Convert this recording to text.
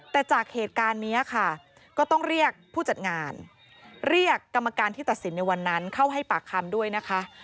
แต่จากเหตุการณ์นี้ค่ะก็ต้องเรียกผู้จัดงานเรียกกรรมการที่ตัดสินในวันนั้นเข้าให้ปากคำด้วยนะคะ